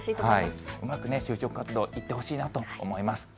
うまく就職活動、いってほしいなと思います。